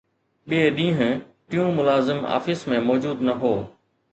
ٻئي ڏينهن، ٽيون ملازم آفيس ۾ موجود نه هو